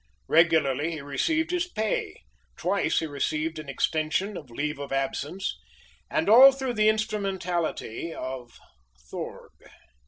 Regularly he received his pay; twice he received an extension of leave of absence; and all through the instrumentality of Thorg.